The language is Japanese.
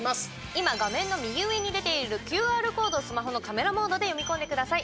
今、画面の右上に出ているＱＲコードコードスマホのカメラモードで読み込んでください。